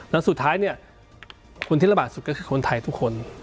แล้วสุดท้ายคนทิศระบาทสุดก็คือคนไทยทุกคน